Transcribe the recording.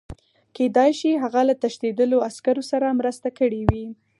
کېدای شي هغه له تښتېدلو عسکرو سره مرسته کړې وي